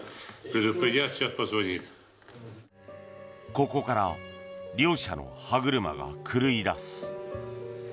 ここから両者の歯車が狂いだす。